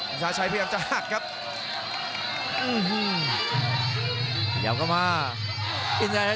อินทราชัยพยายามจะหักครับ